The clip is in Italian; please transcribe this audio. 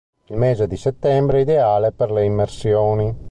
Il mese di settembre è ideale per le immersioni.